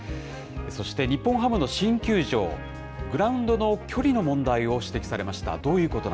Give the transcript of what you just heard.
そして日本ハムの新球場、グラウンドの距離の問題を指摘されました。